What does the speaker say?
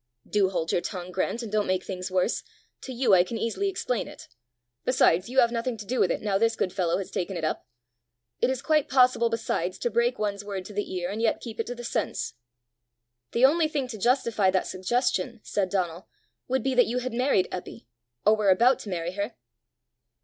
"Do hold your tongue, Grant, and don't make things worse. To you I can easily explain it. Besides, you have nothing to do with it now this good fellow has taken it up. It is quite possible, besides, to break one's word to the ear and yet keep it to the sense." "The only thing to justify that suggestion," said Donal, "would be that you had married Eppy, or were about to marry her!"